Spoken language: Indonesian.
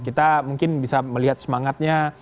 kita mungkin bisa melihat semangatnya